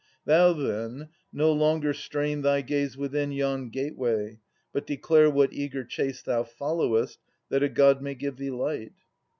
Thou, then, no longer strain thy gaze within Yon gateway, but declare what eager chase Thou followest, that a god may give thee light.